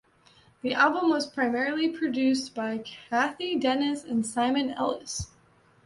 The album was primarily produced by Cathy Dennis and Simon Ellis.